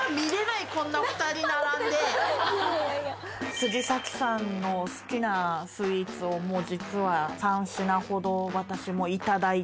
杉咲さんの好きなスイーツを実は３品ほど私もいただいて。